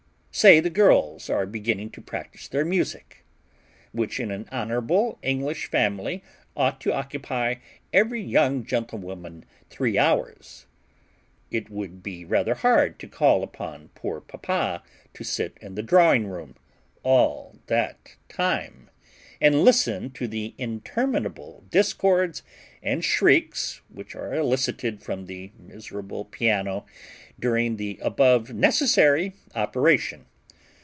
Say the girls are beginning to practise their music, which in an honourable English family, ought to occupy every young gentlewoman three hours; it would be rather hard to call upon poor papa to sit in the drawing room all that time, and listen to the interminable discords and shrieks which are elicited from the miserable piano during the above necessary operation.